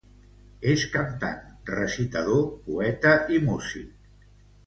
És cantant, recitador, poeta i músic.